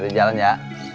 dari jalan ya